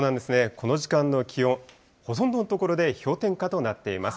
この時間の気温、ほとんどの所で氷点下となっています。